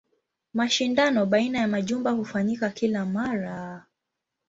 Mashindano baina ya majumba hufanyika kila mara.